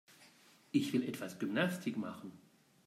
Ich will etwas Gymnastik machen.